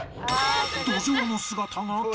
ドジョウの姿が消えた！